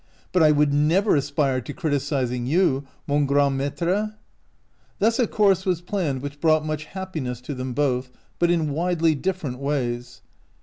" But I would never aspire to criticizing you, mon grand maitre" Thus a course was planned which brought much happiness to them both, but in widely different ways.